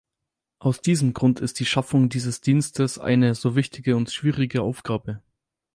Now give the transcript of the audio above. Aus diesem Grund ist die Schaffung dieses Dienstes eine so wichtige und schwierige Aufgabe.